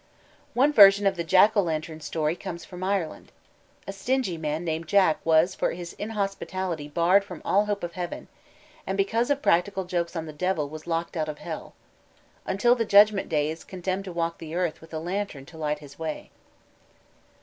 _ One version of the Jack o' lantern story comes from Ireland. A stingy man named Jack was for his inhospitality barred from all hope of heaven, and because of practical jokes on the Devil was locked out of hell. Until the Judgment Day he is condemned to walk the earth with a lantern to light his way.